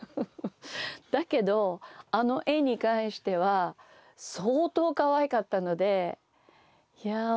だけどあの絵に関しては相当かわいかったのでいや